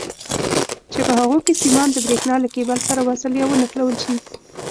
چې په هغو کې سیمان د برېښنا له کیبل سره وصل یا ونښلول شي.